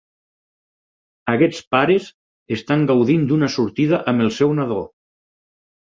Aquests pares estan gaudint d'una sortida amb el seu nadó.